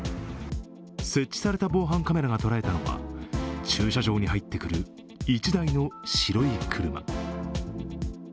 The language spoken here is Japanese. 設置された防犯カメラが捉えたのは、駐車場に入ってくる一台の白い車。